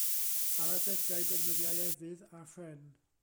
Ar adegau defnyddiai efydd a phren.